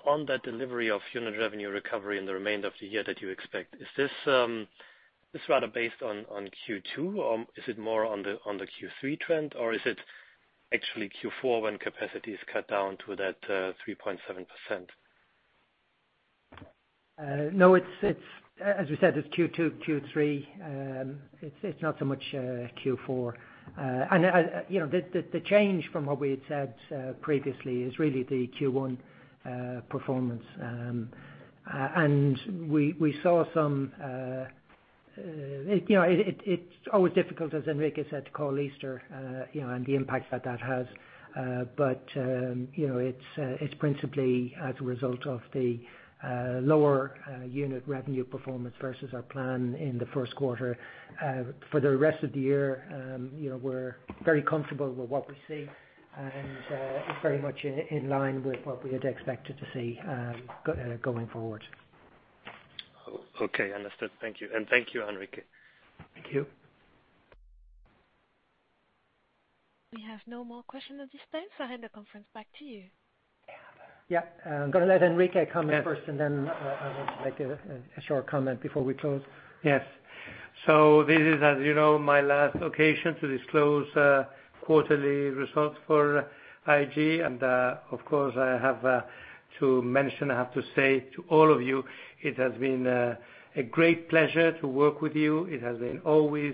On that delivery of unit revenue recovery in the remainder of the year that you expect, is this rather based on Q2, or is it more on the Q3 trend, or is it actually Q4 when capacity is cut down to that 3.7%?
No, as we said, it's Q2, Q3. It's not so much Q4. The change from what we had said previously is really the Q1 performance. It's always difficult, as Enrique said, to call Easter, and the impact that that has. It's principally as a result of the lower unit revenue performance versus our plan in the first quarter. For the rest of the year, we're very comfortable with what we see, and it's very much in line with what we had expected to see going forward.
Okay. Understood. Thank you. Thank you, Enrique.
Thank you.
We have no more questions at this time. I hand the conference back to you.
Yeah. I'm going to let Enrique comment first, and then I will make a short comment before we close.
Yes. This is, as you know, my last occasion to disclose quarterly results for IAG, and of course, I have to mention, I have to say to all of you, it has been a great pleasure to work with you. It has been always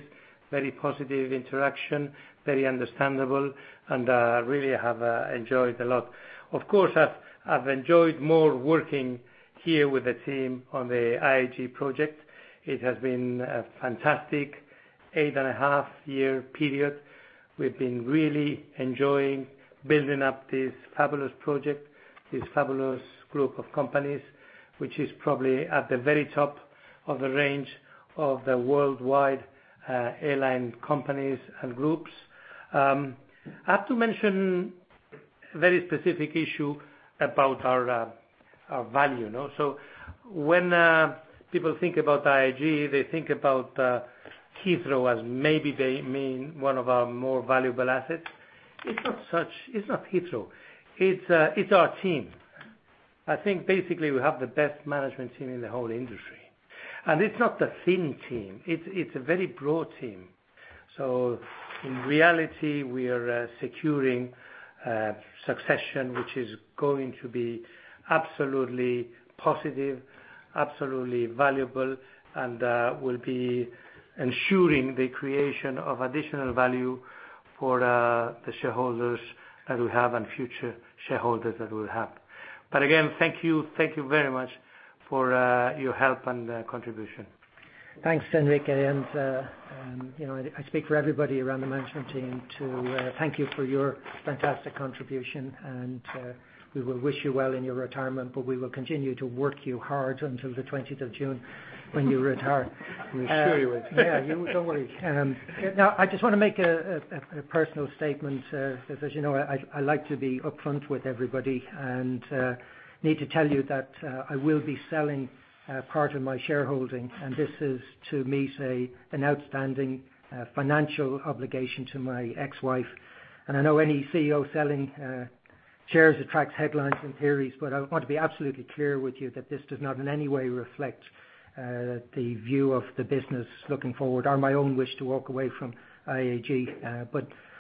very positive interaction, very understandable, and really I have enjoyed a lot. Of course, I've enjoyed more working here with the team on the IAG project. It has been a fantastic eight and a half year period. We've been really enjoying building up this fabulous project, this fabulous group of companies, which is probably at the very top of the range of the worldwide airline companies and groups. I have to mention a very specific issue about our value. When people think about IAG, they think about Heathrow as maybe they mean one of our more valuable assets. It's not Heathrow. It's our team. I think basically we have the best management team in the whole industry. It's not a thin team. It's a very broad team. In reality, we are securing succession, which is going to be absolutely positive, absolutely valuable, and will be ensuring the creation of additional value for the shareholders that we have and future shareholders that we'll have. Again, thank you. Thank you very much for your help and contribution.
Thanks, Enrique, I speak for everybody around the management team to thank you for your fantastic contribution. We will wish you well in your retirement, we will continue to work you hard until the 20th of June when you retire.
We sure will.
I just want to make a personal statement. As you know, I like to be upfront with everybody and need to tell you that I will be selling part of my shareholding, and this is to meet an outstanding financial obligation to my ex-wife. I know any CEO selling shares attracts headlines and theories, but I want to be absolutely clear with you that this does not in any way reflect the view of the business looking forward or my own wish to walk away from IAG.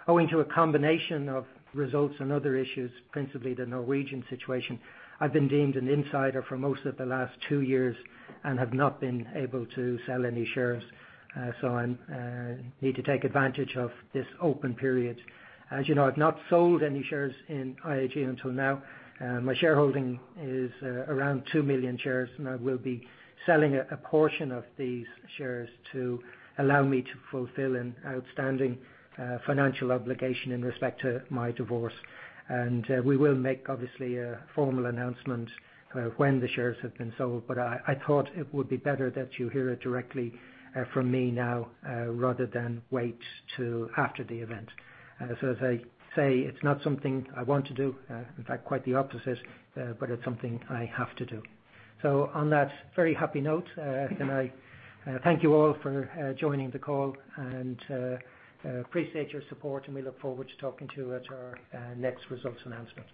Owing to a combination of results and other issues, principally the Norwegian situation, I've been deemed an insider for most of the last two years and have not been able to sell any shares. I need to take advantage of this open period. As you know, I've not sold any shares in IAG until now. My shareholding is around 2 million shares, and I will be selling a portion of these shares to allow me to fulfill an outstanding financial obligation in respect to my divorce. We will make, obviously, a formal announcement when the shares have been sold, but I thought it would be better that you hear it directly from me now, rather than wait till after the event. As I say, it's not something I want to do, in fact, quite the opposite, but it's something I have to do. On that very happy note, can I thank you all for joining the call and appreciate your support, and we look forward to talking to you at our next results announcement.